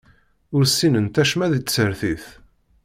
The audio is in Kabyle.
Ur ssinent acemma di tsertit.